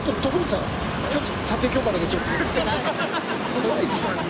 徳光さんに？